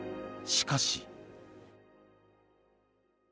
しかし。